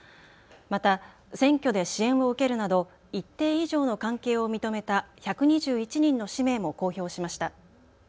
また選挙で支援を受けるなど一定以上の関係を認めた１２１人の氏名も公表しました。